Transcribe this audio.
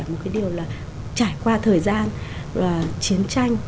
một cái điều là trải qua thời gian chiến tranh